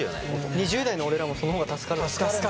２０代の俺らもその方が助かるわ。